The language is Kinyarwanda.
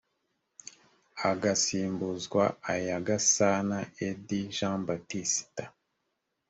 agasimbuzwa aya gasana eddy jean baptiste